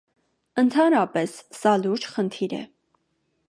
Ընդհանրապես, սա լուրջ խնդիր է։